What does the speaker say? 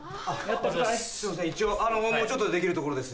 すいません一応もうちょっとでできるところです。